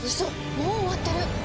もう終わってる！